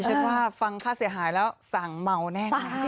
ฉันว่าฟังค่าเสียหายแล้วสั่งเมาแน่นอน